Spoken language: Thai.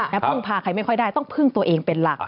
และพึ่งพาใครไม่ค่อยได้ต้องพึ่งตัวเองเป็นหลัก